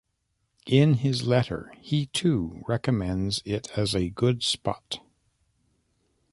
In his letter, he too recommends it as a good spot.